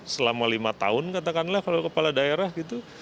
selama lima tahun katakanlah kalau kepala daerah gitu